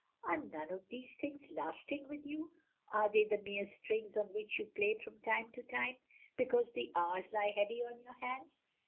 Are none of these things lasting with you, are they the mere strings on which you play from time to time, because the hours lie heavy on your hands?